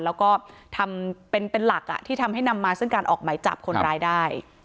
แล้วก็ทำเป็นหลักที่ทำให้นำมาซึ่งการออกหมายจับคนร้ายได้